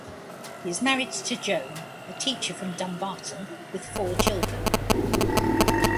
He is married to Joan, a teacher from Dumbarton, with four children.